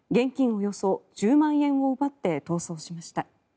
およそ１０万円を奪って逃走しました。